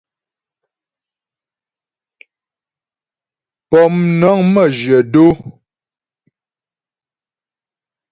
Pómnəŋ məjyə̂ dó.